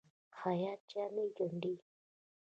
خیاط جامې ګنډي.